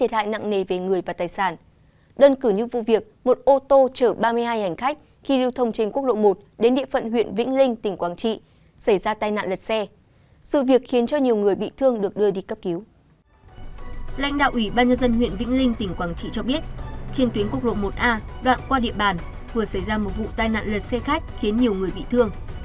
lãnh đạo ủy ban nhân dân huyện vĩnh linh tỉnh quảng trị cho biết trên tuyến quốc lộ một a đoạn qua địa bàn vừa xảy ra một vụ tai nạn lật xe khách khiến nhiều người bị thương